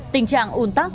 tình trạng ồn tắc